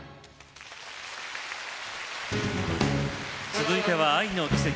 続いては「愛の奇跡」。